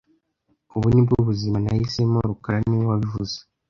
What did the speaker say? Ubu ni bwo buzima nahisemo rukara niwe wabivuze